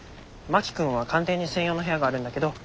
真木君は官邸に専用の部屋があるんだけど